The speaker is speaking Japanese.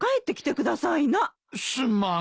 すまん。